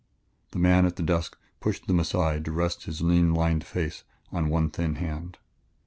The man at the desk pushed them aside to rest his lean, lined face on one thin hand.